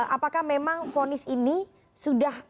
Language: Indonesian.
apakah memang fonis ini sudah